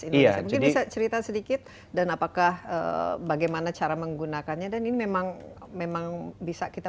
indonesia mungkin bisa cerita sedikit dan apakah bagaimana cara menggunakannya dan ini memang memang bisa kita